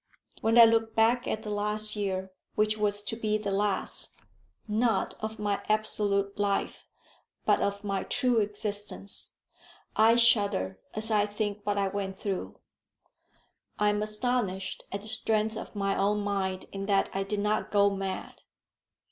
When I look back at the last year, which was to be the last, not of my absolute life but of my true existence, I shudder as I think what I went through. I am astonished at the strength of my own mind in that I did not go mad.